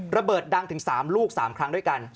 ระเบิดดังถึง๓ลูก๓ครั้งด้วยกัน